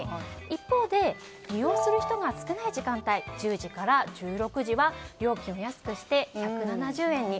一方で、利用する人が少ない時間帯１０時から１６時は料金を安くして１７０円に。